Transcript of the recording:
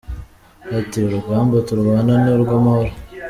Ati :” urugamba turwana ni urw’amahoro”